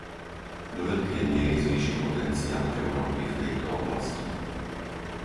Do veľkej miery zvýši potenciál Európy v tejto oblasti.